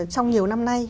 trong nhiều năm nay